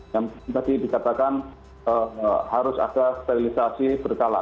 yang tadi dikatakan harus ada sterilisasi berkala